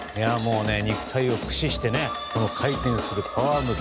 肉体を駆使してこの回転するパワームーブ。